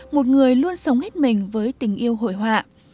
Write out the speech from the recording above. một người luôn sống hết mình với tình yêu hội họa